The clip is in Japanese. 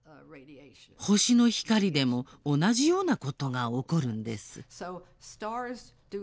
星の光でも同じようなことが起こるんです。